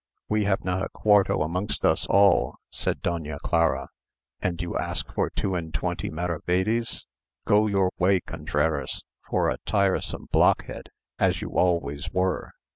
"We have not a quarto amongst us all," said Doña Clara, "and you ask for two and twenty maravedis? Go your ways, Contreras, for a tiresome blockhead, as you always were."